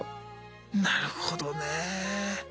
なるほどね。